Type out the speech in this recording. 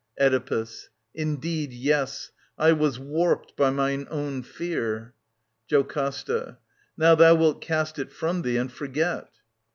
? Oedipus. Indeed, yes. I was warped by mine own fear. JoCASTA. Now thou wilt cast it from thee, and forget.